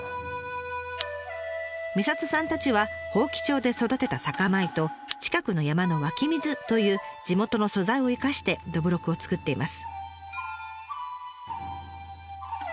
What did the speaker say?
みさとさんたちは伯耆町で育てた酒米と近くの山の湧き水という地元の素材を生かしてどぶろくを造っています。